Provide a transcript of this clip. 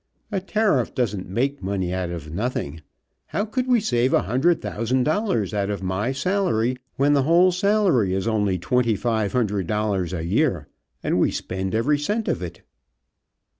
A tariff doesn't make money out of nothing. How could we save a hundred thousand dollars out of my salary, when the whole salary is only twenty five hundred dollars a year, and we spend every cent of it?"